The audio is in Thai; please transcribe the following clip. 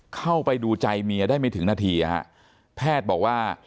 เข้าไปดูใจเมียได้ไม่ถึงนาทีแพทย์บอกว่า